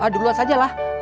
dulu aja lah